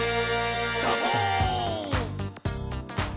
「サボーン！」